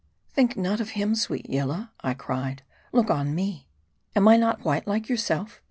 " Think not of him, sweet Yillah," I cried. " Look on me. Am I not white like yourself